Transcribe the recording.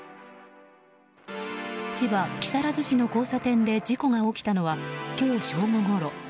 千葉・木更津市の交差点で事故が起きたのは今日正午ごろ。